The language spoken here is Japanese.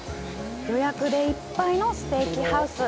予約でいっぱいのステーキハウス。